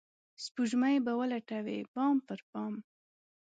سپوږمۍ به ولټوي بام پر بام